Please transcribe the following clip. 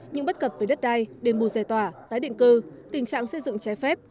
những bất cập về đất đai đền bù dè tỏa tái định cư tình trạng xây dựng trái phép